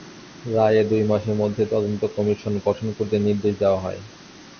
রায়ে দুই মাসের মধ্যে তদন্ত কমিশন গঠন করতে নির্দেশ দেওয়া হয়।